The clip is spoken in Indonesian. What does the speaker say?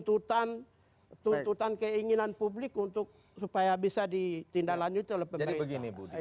untuk mengekspresikan keuntungan untuk mengekspresikan keinginan publik supaya bisa ditindak lanjut oleh pemerintah